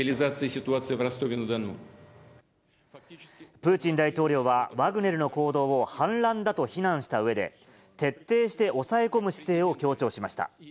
プーチン大統領は、ワグネルの行動を反乱だと非難したうえで、徹底しておさえ込む姿勢を強調しました。